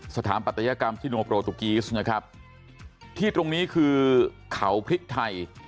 สถาปัตยกรรมชิโนโปรตุกีสนะครับที่ตรงนี้คือเขาพริกไทย